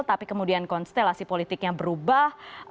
tapi kemudian konstelasi politiknya berubah